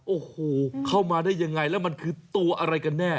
โอ้โหเข้ามาได้ยังไงแล้วมันคือตัวอะไรกันแน่